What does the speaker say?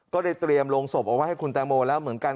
ก็ได้เตรียมลงศพเอาไว้ให้คุณแตงโมแล้วเหมือนกัน